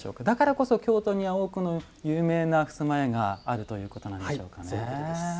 だからこそ京都には多くの有名な襖絵があるということなんでしょうかね。